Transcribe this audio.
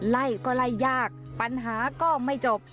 ไล่ก็ไล่ยากปัญหาก็ไม่จบ